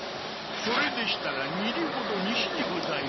それでしたら二里ほど西にございます。